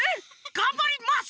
がんばります！